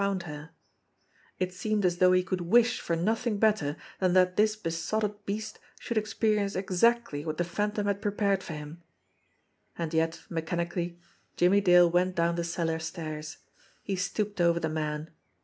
It seemed to plumb the depths of irony ; it seemed as though he could wish for nothing better than that this besotted beast should experience exactly what the Phan tom had prepared for him ! And yet, mechanically, Jimmie Dale went down the cellar stairs. He stooped over the man.